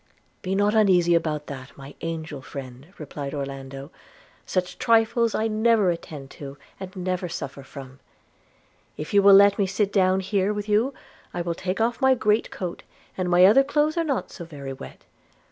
'Be not uneasy about that, my angel friend,' replied Orlando; 'such trifles I never attend to, and never suffer from: if you will let me sit down here with you, I will take off my great coat, and my other clothes are not so very wet.